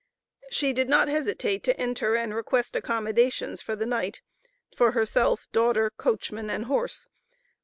She did not hesitate to enter and request accommodations for the night, for herself, daughter, coachman, and horse.